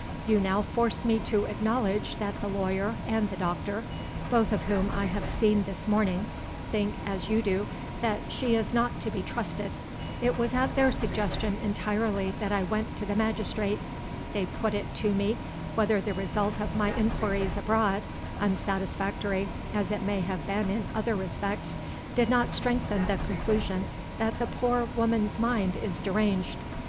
You now force me to acknowledge that the lawyer and the doctor (both of whom I have seen this morning) think, as you do, that she is not to be trusted. It was at their suggestion entirely that I went to the magistrate. They put it to me whether the result of my inquiries abroad unsatisfactory as it may have been in other respects did not strengthen the conclusion that the poor woman's mind is deranged.